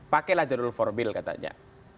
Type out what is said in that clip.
pakailah jodoh forbil katanya